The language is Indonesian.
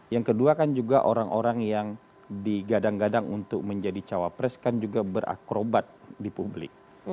yang kedua kan juga orang orang yang digadang gadang untuk menjadi cawapres kan juga berakrobat di publik